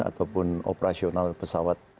ataupun operasional pesawat